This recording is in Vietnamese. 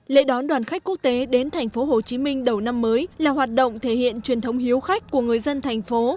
lễ đón đoàn khách quốc tế đến tp hcm đầu năm mới là hoạt động thể hiện truyền thống hiếu khách của người dân thành phố